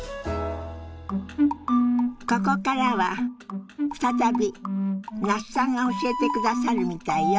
ここからは再び那須さんが教えてくださるみたいよ。